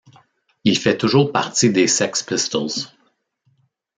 Il fait toujours partie des Sex Pistols.